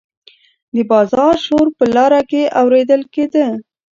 د بازار شور په لاره کې اوریدل کیده.